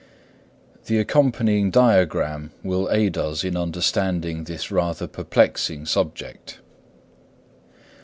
The accompanying diagram will aid us in understanding this rather perplexing subject.